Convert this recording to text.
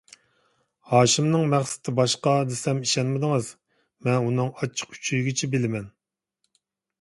ھاشىمنىڭ مەقسىتى باشقا دېسەم ئىشەنمىدىڭىز، مەن ئۇنىڭ ئاچچىق ئۈچىيىگىچە بىلىمەن.